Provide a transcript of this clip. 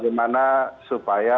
bagaimana supaya profesional ya